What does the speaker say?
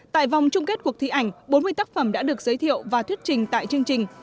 tại vòng chung kết cuộc thi ảnh bốn mươi tác phẩm đã được giới thiệu và thuyết trình tại chương trình